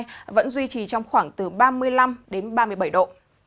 sẽ giảm xuống mức cao trong khoảng từ ba mươi năm ba mươi bảy độ